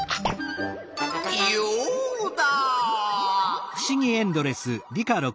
ヨウダ！